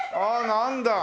なんだ。